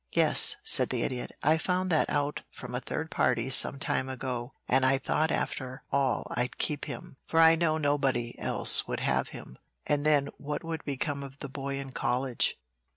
"Yes," said the Idiot; "I found that out from a third party some time ago, and I thought after all I'd keep him, for I know nobody else would have him, and then what would become of the boy in college?"